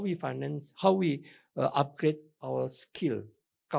bagaimana kita meningkatkan kemahiran kita